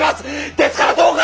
ですからどうか！